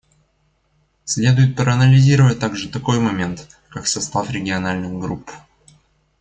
Следует проанализировать также такой момент, как состав региональных групп.